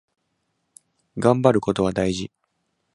がんばることは大事。